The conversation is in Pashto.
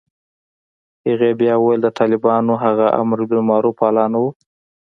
هغې بيا وويل د طالبانو هغه امربالمعروف والا نه و.